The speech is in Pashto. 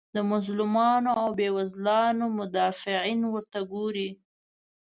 د مظلومانو او بیوزلانو مدافعین ورته ګوري.